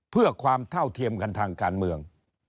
เพื่อความเท่าเทียมกันทางการเมือง